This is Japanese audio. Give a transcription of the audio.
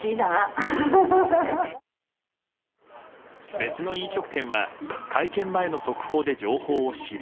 別の飲食店は会見前の速報で情報を知り。